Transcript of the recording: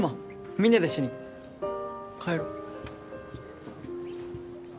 みんなで一緒に帰ろ？